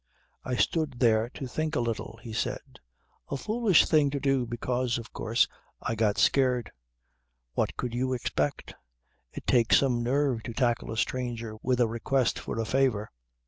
"I stood there to think a little," he said. "A foolish thing to do because of course I got scared. What could you expect? It takes some nerve to tackle a stranger with a request for a favour.